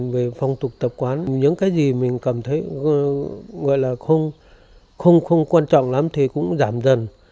về phong tục tập quán những cái gì mình cảm thấy không quan trọng lắm thì cũng giảm dần